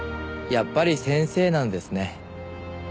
やっぱり先生なんですね。